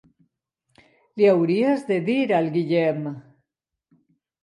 Li hauries de dir-li al Guillem.